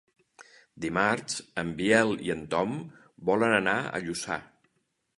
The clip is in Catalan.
Dimarts en Biel i en Tom volen anar a Lluçà.